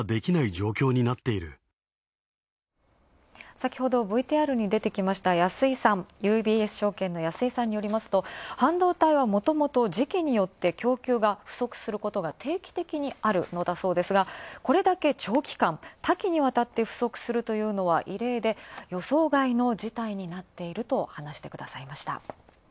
先ほど、ＶＴＲに出てきました安井さん、ＵＢＳ証券の安井さんによりますと、半導体はもともと、時期によって供給が不足することが定期的にあるのだそうですが、これだけ長期間、多岐にわたって不足するのは異例で、予想外の事態になっていると話してくださいました。